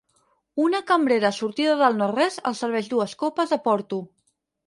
Una cambrera sortida del no-res els serveix dues copes de porto.